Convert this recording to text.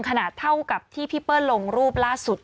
เท่ากับที่พี่เปิ้ลลงรูปล่าสุด